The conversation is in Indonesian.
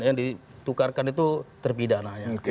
yang ditukarkan itu terpidananya